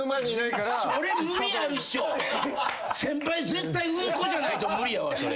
絶対うんこじゃないと無理やわそれ。